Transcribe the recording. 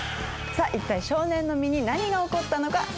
さあいったい少年の身に何が起こったのか？